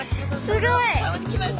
すごい！